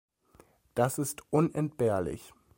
Das ist unentbehrlich.